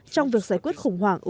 trong việc giải quyết khủng hoảng